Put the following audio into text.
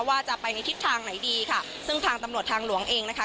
ว่าจะไปในทิศทางไหนดีค่ะซึ่งทางตำรวจทางหลวงเองนะคะ